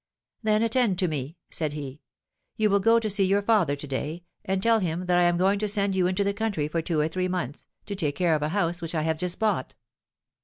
'Then attend to me,' said he; 'you will go to see your father to day, and tell him that I am going to send you into the country for two or three months, to take care of a house which I have just bought.